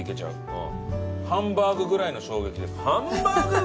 「ハンバーグぐらいの衝撃」？